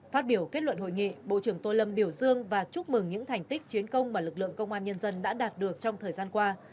phát biểu kết luận hội nghị bộ trưởng tô lâm biểu dương và chúc mừng những thành tích chiến công mà lực lượng công an nhân dân đã đạt được trong thời gian qua